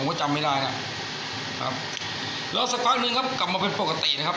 ก็จำไม่ได้นะครับแล้วสักพักหนึ่งครับกลับมาเป็นปกตินะครับ